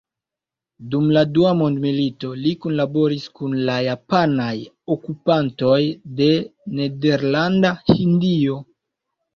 Dum la Dua mondmilito li kunlaboris kun la japanaj okupantoj de Nederlanda Hindio.